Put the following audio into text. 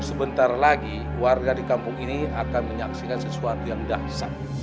sebentar lagi warga di kampung ini akan menyaksikan sesuatu yang dahsa